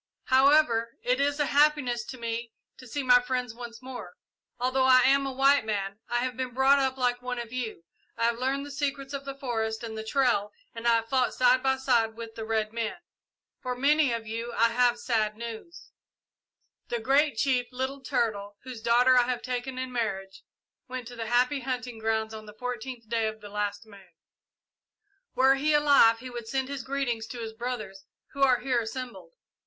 "However, it is a happiness to me to see my friends once more. Although I am a white man, I have been brought up like one of you. I have learned the secrets of the forest and the trail and I have fought side by side with the red men. For many of you I have sad news. The Great Chief, Little Turtle, whose daughter I have taken in marriage, went to the happy hunting grounds on the fourteenth day of the last moon. "Were he alive he would send his greetings to his brothers who are here assembled.